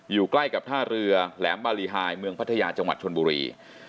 อยู่ใกล้กับท่าเรือแหลมบารีไฮเมืองพัทยาจังหวัดชนบุรี